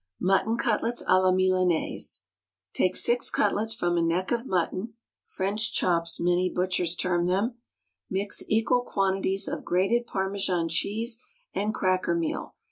Mutton Cutlets à la Milanais. Take six cutlets from a neck of mutton ("French chops," many butchers term them), mix equal quantities of grated Parmesan cheese and cracker meal.